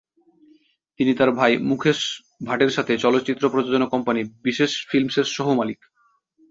তিনি তার ভাই মুকেশ ভাটের সাথে চলচ্চিত্র প্রযোজনা কোম্পানি বিশেষ ফিল্মসের সহ-মালিক।